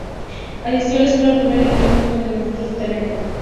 Asistió a la escuela primaria en Klagenfurt, donde mostró su talento.